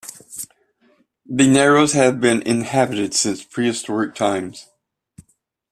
The narrows have been inhabited since prehistoric times.